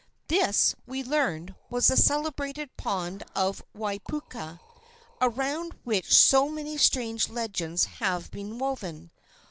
This, we learned, was the celebrated pond of Waiapuka, around which so many strange legends have been woven.